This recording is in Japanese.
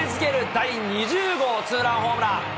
第２０号ツーランホームラン。